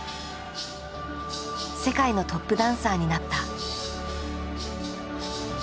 世界のトップダンサーになった。